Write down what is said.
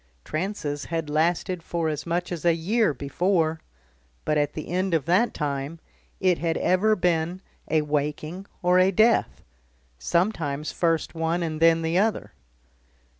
Trances had lasted for as much as a year before but at the end of that time it had ever been a waking or a death; sometimes first one and then the other.